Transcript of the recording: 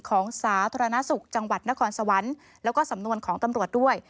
สาธารณสุขจังหวัดนครสวรรค์แล้วก็สำนวนของตำรวจด้วย